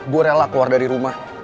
gue rela keluar dari rumah